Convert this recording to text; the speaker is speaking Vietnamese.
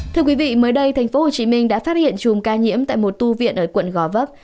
thưa quý vị mới đây tp hcm đã phát hiện chùm ca nhiễm tại một tu viện ở quận gò vấp